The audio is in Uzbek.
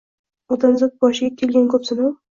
Odamzod boshiga kelgan ko’p sinov